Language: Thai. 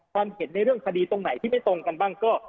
เห็นในเรื่องคดีตรงไหนที่ไม่ตรงกันบ้างก็